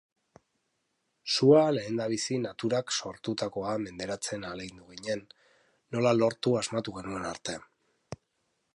Sua lehendabizi naturak sortutakoa menderatzen ahalegindu ginen, nola lortu asmatu genuen arte.